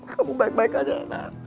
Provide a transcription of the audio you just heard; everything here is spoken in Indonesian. kamu baik baik aja